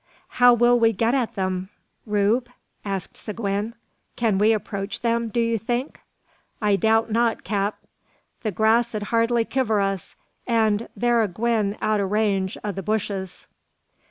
"How will we get at them, Rube?" asked Seguin; "can we approach them, do you think?" "I doubt not, cap. The grass 'ud hardly kiver us, an thur a gwine out o' range o' the bushes."